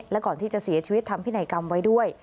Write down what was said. และก่อนที่จะเสียชีวิตทำพินัยกรรมไว้ด้วย